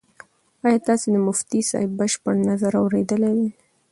ایا تاسو د مفتي صاحب بشپړ نظر اورېدلی دی؟